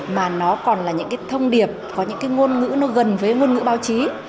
mà nó còn là những cái thông điệp có những cái ngôn ngữ nó gần với ngôn ngữ báo chí